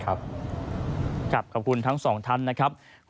ครับขอบคุณทั้งสองทันนะครับ